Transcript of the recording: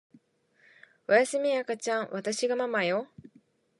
おやすみ赤ちゃんわたしがママよ